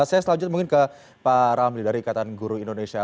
saya selanjutnya mungkin ke pak ramli dari ikatan guru indonesia